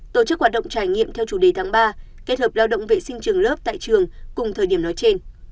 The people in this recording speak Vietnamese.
tổ chức hoạt động trải nghiệm theo chủ đề tháng ba kết hợp lao động vệ sinh trường lớp tại trường cùng thời điểm nói trên